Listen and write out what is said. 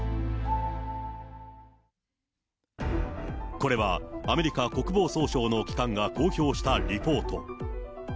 これはアメリカ国防総省の機関が公表したリポート。